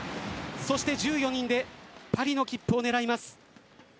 そして、１４人でパリの切符を狙います。